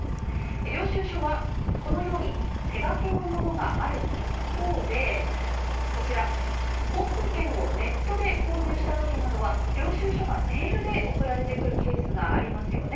領収書はこのように手書きのものがある一方で、航空券をネットで購入したときなどは領収書がメールで送られてくるケースがありますよね。